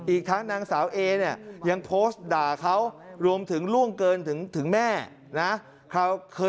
อีกทั้งนางสาวเอเนี่ยยังโพสต์ด่าเขารวมถึงล่วงเกินถึงแม่นะ